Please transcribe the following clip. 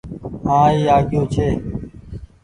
هآن اي آگيو ڇي۔